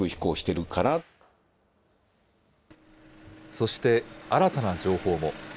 そして新たな情報も。